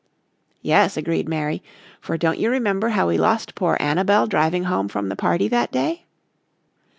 "Yes," agreed Mary, "for don't you remember how we lost poor Annabel driving home from the party that day?"